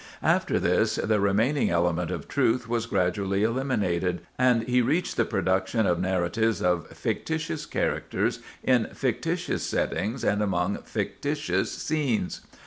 After this, the remaining element of truth was gradually eliminated, and he reached the production of narratives of fictitious characters in fictitious settings and among fictitious scenes.